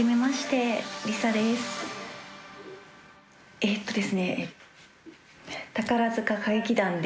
えっとですね。